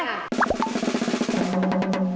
ใช่